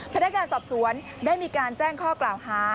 พนักงานสอบสวนได้มีการแจ้งข้อกล่าวหา